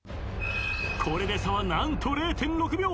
これで差は何と０．６秒。